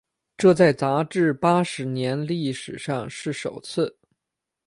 这在杂志八十年历史上是首次。